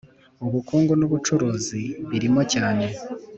ubukungu n ubucuruzi birimo cyane